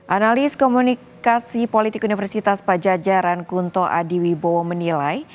analis komunikasi politik universitas pajajaran kunto adiwibowo menilai